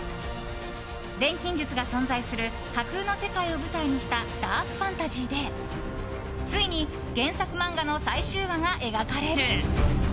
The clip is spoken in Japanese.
錬金術が存在する架空の世界を舞台にしたダークファンタジーでついに原作漫画の最終話が描かれる。